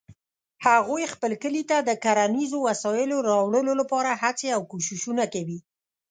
هغوی خپل کلي ته د کرنیزو وسایلو راوړلو لپاره هڅې او کوښښونه کوي